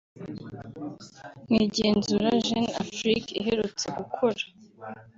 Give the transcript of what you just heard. mu igenzura Jeune Afrique iherutse gukora